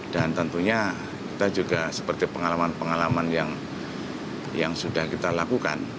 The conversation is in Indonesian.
dan tentunya kita juga seperti pengalaman pengalaman yang sudah kita lakukan